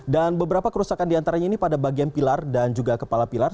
dan beberapa kerusakan di antaranya ini pada bagian pilar dan juga kepala pilar